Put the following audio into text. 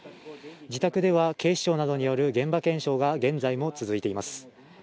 自宅では警視庁などによる現場検証が現在も続いています